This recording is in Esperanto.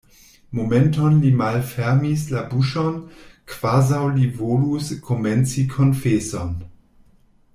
Momenton li malfermis la buŝon, kvazaŭ li volus komenci konfeson.